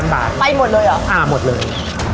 บาทไปหมดเลยเหรออ่าหมดเลย